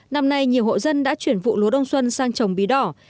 năm nay nhiều hộ dân đã chuyển vụ lúa đông xuân sang trồng bí đỏ